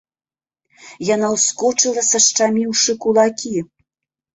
Яна ўскочыла, сашчаміўшы кулакі.